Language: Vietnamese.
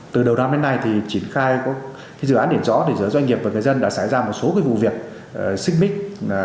từ đầu năm đến nay triển khai dự án điển rõ giữa doanh nghiệp và người dân đã xảy ra một số vụ việc xích mích